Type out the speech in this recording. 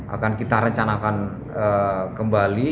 akan kita rencanakan kembali